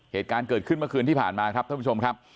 เหตุการณ์เกิดขึ้นเมื่อคืนที่ผ่านมาครับท่านผู้ชมครับ